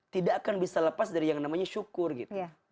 tidak akan bisa lepas dari yang namanya syukur gitu